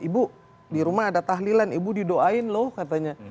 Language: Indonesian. ibu di rumah ada tahlilan ibu didoain loh katanya